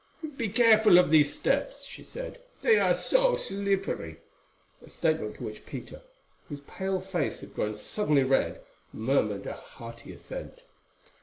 "Be careful of these steps," she said, "they are so slippery"—a statement to which Peter, whose pale face had grown suddenly red, murmured a hearty assent.